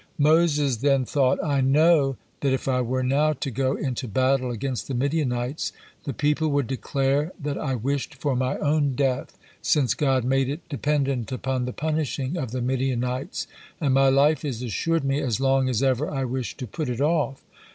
Moses then thought: "I know that if I were now to go into battle against the Midianites, the people would declare that I wished for my own death, since God made it dependent upon the punishing of the Midianites, and my life is assured me as long as ever I wish to put it off."